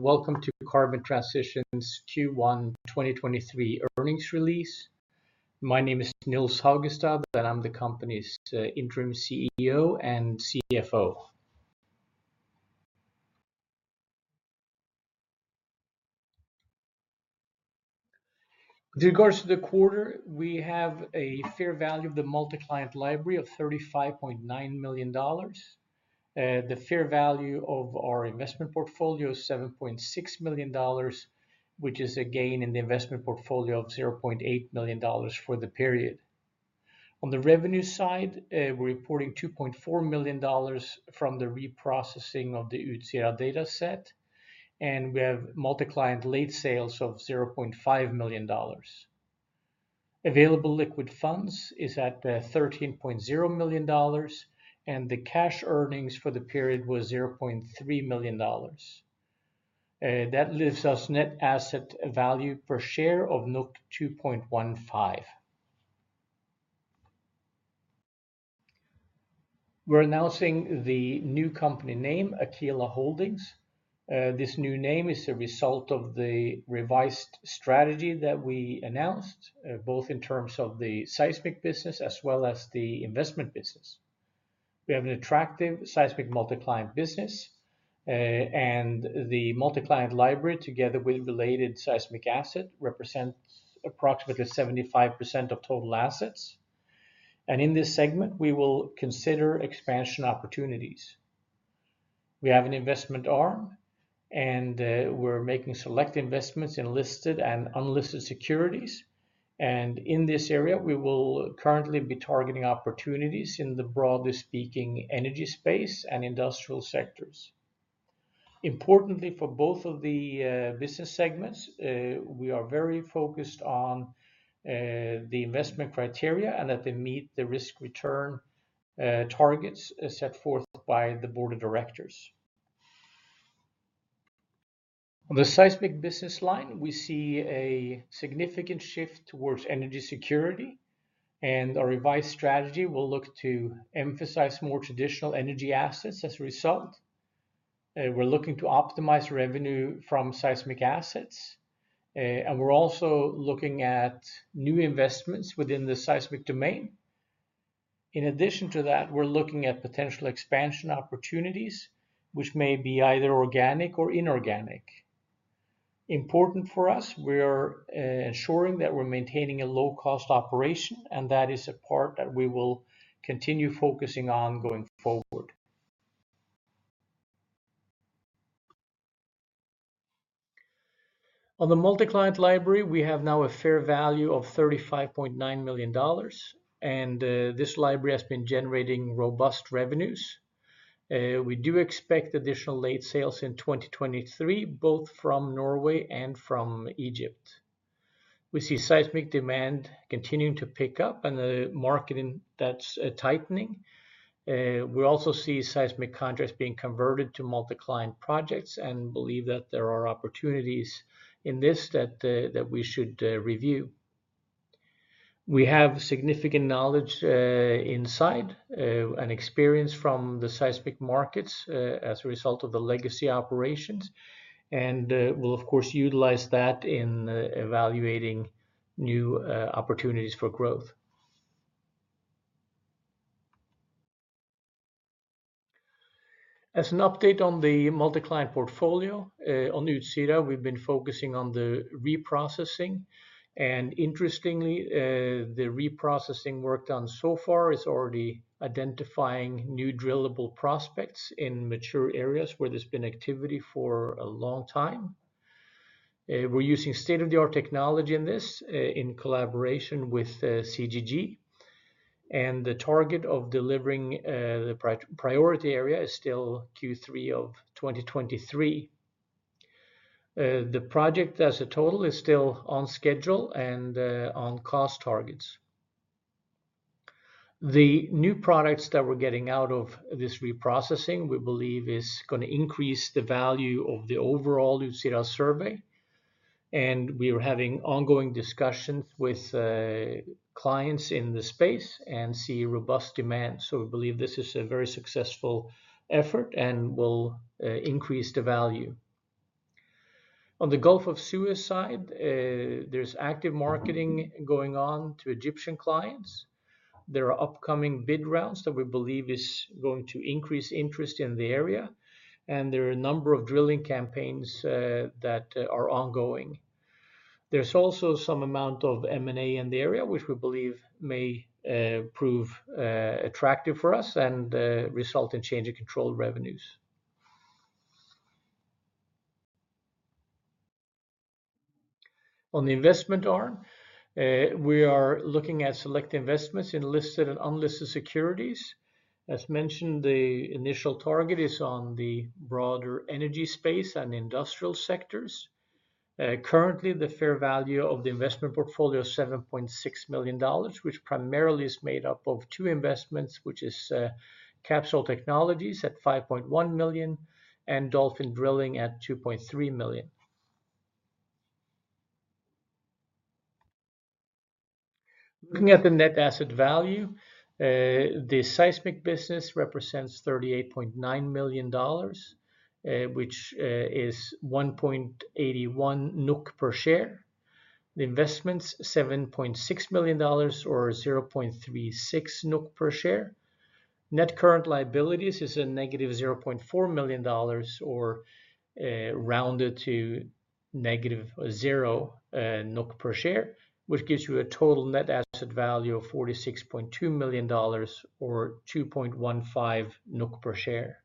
Welcome to Carbon Transition's Q1 2023 earnings release. My name is Nils Haugestad, and I'm the company's interim CEO and CFO. With regards to the quarter, we have a fair value of the multi-client library of $35.9 million. The fair value of our investment portfolio is $7.6 million, which is a gain in the investment portfolio of $0.8 million for the period. On the revenue side, we're reporting $2.4 million from the reprocessing of the Utsira data set. We have multi-client late sales of $0.5 million. Available liquid funds is at $13.0 million. The cash earnings for the period was $0.3 million. That leaves us net asset value per share of 2.15. We're announcing the new company name, Aquila Holdings. This new name is a result of the revised strategy that we announced, both in terms of the seismic business as well as the investment business. We have an attractive seismic multi-client business, and the multi-client library together with related seismic asset represents approximately 75% of total assets. In this segment, we will consider expansion opportunities. We have an investment arm, and we're making select investments in listed and unlisted securities. In this area, we will currently be targeting opportunities in the broadly speaking energy space and industrial sectors. Importantly for both of the business segments, we are very focused on the investment criteria and that they meet the risk-return targets set forth by the board of directors. On the seismic business line, we see a significant shift towards energy security, and our revised strategy will look to emphasize more traditional energy assets as a result. We're looking to optimize revenue from seismic assets, and we're also looking at new investments within the seismic domain. In addition to that, we're looking at potential expansion opportunities, which may be either organic or inorganic. Important for us, we are ensuring that we're maintaining a low-cost operation, and that is a part that we will continue focusing on going forward. On the multi-client library, we have now a fair value of $35.9 million, and this library has been generating robust revenues. We do expect additional late sales in 2023, both from Norway and from Egypt. We see seismic demand continuing to pick up and the marketing that's tightening. We also see seismic contracts being converted to multi-client projects and believe that there are opportunities in this that we should review. We have significant knowledge inside and experience from the seismic markets as a result of the legacy operations, and we'll of course utilize that in evaluating new opportunities for growth. As an update on the multi-client portfolio on Utsira, we've been focusing on the reprocessing. Interestingly, the reprocessing work done so far is already identifying new drillable prospects in mature areas where there's been activity for a long time. We're using state-of-the-art technology in this in collaboration with CGG, and the target of delivering the priority area is still Q3 of 2023. The project as a total is still on schedule and on cost targets. The new products that we're getting out of this reprocessing, we believe is gonna increase the value of the overall Utsira survey, and we are having ongoing discussions with clients in the space and see robust demand. We believe this is a very successful effort and will increase the value. On the Gulf of Suez side, there's active marketing going on to Egyptian clients. There are upcoming bid rounds that we believe is going to increase interest in the area. There are a number of drilling campaigns that are ongoing. There's also some amount of M&A in the area, which we believe may prove attractive for us and result in change in control revenues. On the investment arm, we are looking at select investments in listed and unlisted securities. As mentioned, the initial target is on the broader energy space and industrial sectors. Currently, the fair value of the investment portfolio is $7.6 million, which primarily is made up of two investments, which is Capsol Technologies at $5.1 million and Dolphin Drilling at $2.3 million. Looking at the net asset value, the seismic business represents $38.9 million, which is 1.81 NOK per share. The investments, $7.6 million or 0.36 NOK per share. Net current liabilities is -$0.4 million, or rounded to 0 NOK per share, which gives you a total net asset value of $46.2 million or 2.15 NOK per share.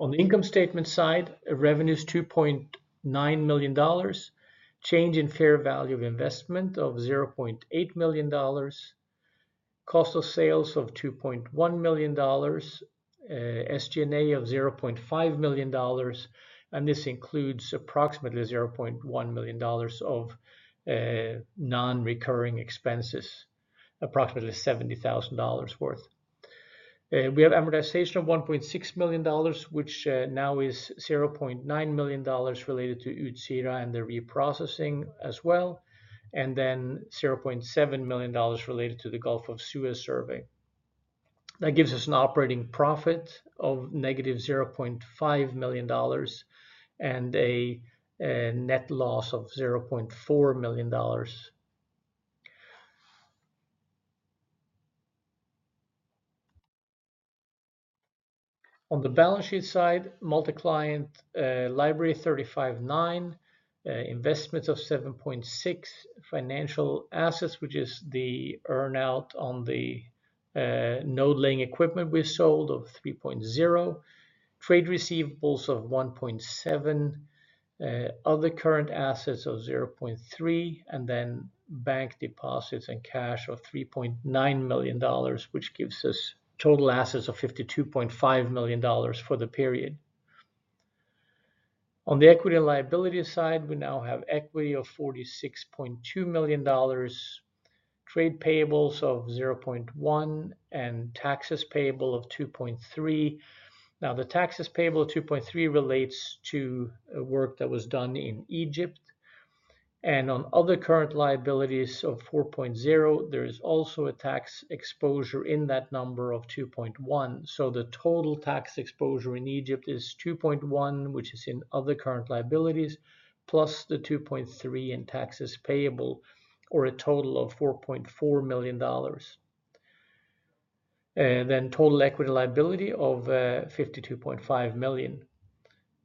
On the income statement side, revenue's $2.9 million. Change in fair value of investment of $0.8 million. Cost of sales of $2.1 million. SG&A of $0.5 million, and this includes approximately $0.1 million of non-recurring expenses, approximately $70,000 worth. We have amortization of $1.6 million, which now is $0.9 million related to Utsira and the reprocessing as well, and then $0.7 million related to the Gulf of Suez survey. That gives us an operating profit of negative $0.5 million and a net loss of $0.4 million. On the balance sheet side, multi-client library, $35.9 million. Investments of $7.6 million. Financial assets, which is the earn-out on the node laying equipment we sold of $3.0 million. Trade receivables of $1.7 million. Other current assets of $0.3, bank deposits and cash of $3.9 million, which gives us total assets of $52.5 million for the period. On the equity and liability side, we now have equity of $46.2 million. Trade payables of $0.1, taxes payable of $2.3. The taxes payable of $2.3 relates to work that was done in Egypt. On other current liabilities of $4.0, there is also a tax exposure in that number of $2.1. The total tax exposure in Egypt is $2.1, which is in other current liabilities, plus the $2.3 in taxes payable, or a total of $4.4 million. Total equity liability of $52.5 million.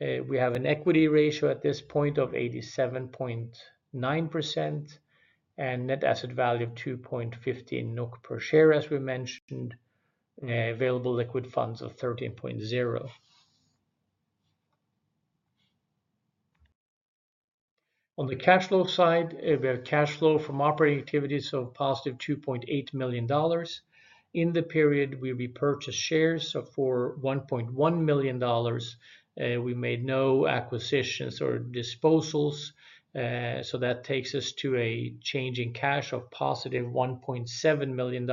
We have an equity ratio at this point of 87.9% and net asset value of 2.15 NOK per share, as we mentioned. Available liquid funds of 13.0. On the cash flow side, we have cash flow from operating activities of positive $2.8 million. In the period, we repurchased shares for $1.1 million. We made no acquisitions or disposals, that takes us to a change in cash of positive $1.7 million,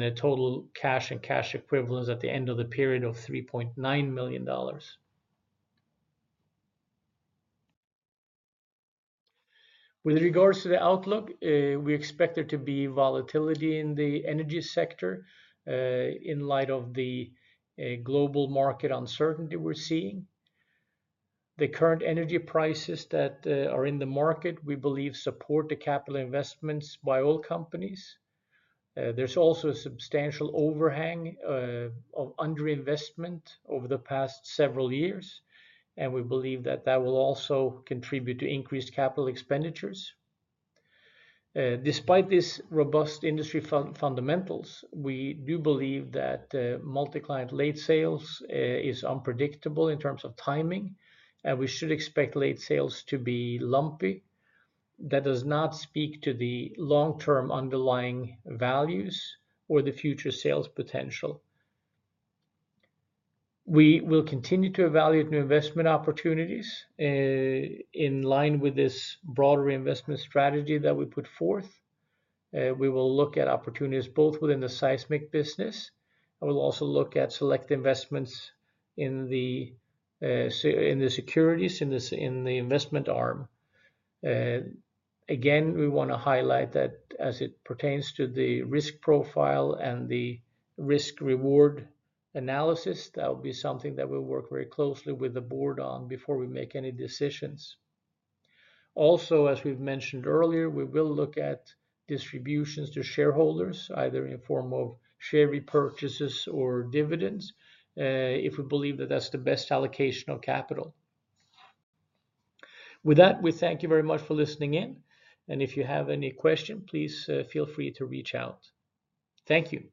a total cash and cash equivalents at the end of the period of $3.9 million. With regards to the outlook, we expect there to be volatility in the energy sector, in light of the global market uncertainty we're seeing. The current energy prices that are in the market, we believe support the capital investments by oil companies. There's also a substantial overhang of under-investment over the past several years, and we believe that that will also contribute to increased capital expenditures. Despite this robust industry fundamentals, we do believe that multi-client late sales is unpredictable in terms of timing, and we should expect late sales to be lumpy. That does not speak to the long-term underlying values or the future sales potential. We will continue to evaluate new investment opportunities in line with this broader investment strategy that we put forth. We will look at opportunities both within the seismic business, and we'll also look at select investments in the securities, in the investment arm. Again, we wanna highlight that as it pertains to the risk profile and the risk/reward analysis, that will be something that we'll work very closely with the board on before we make any decisions. Also, as we've mentioned earlier, we will look at distributions to shareholders, either in form of share repurchases or dividends, if we believe that that's the best allocation of capital. With that, we thank you very much for listening in, and if you have any question, please, feel free to reach out. Thank you.